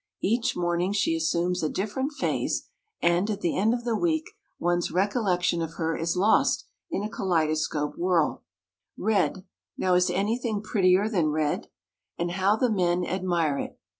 Each morning she assumes a different phase, and, at the end of the week, one's recollection of her is lost in a kaleidoscopic whirl. Red, now is anything prettier than red? And how the men admire it!